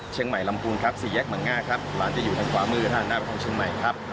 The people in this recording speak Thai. เชียงใหม่ลำกูลครับสี่แยกมะง่าครับร้านจะอยู่ทางขวามือ๕นาทีของเชียงใหม่ครับ